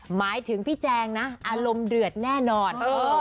หมายถึงพี่แจงนะอารมณ์เดือดแน่นอน